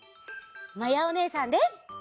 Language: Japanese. まやおねえさんです！